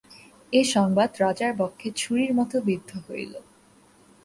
এ সংবাদ রাজার বক্ষে ছুরির মতো বিদ্ধ হইল।